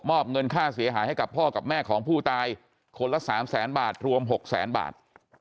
เงินค่าเสียหายให้กับพ่อกับแม่ของผู้ตายคนละสามแสนบาทรวม๖แสนบาท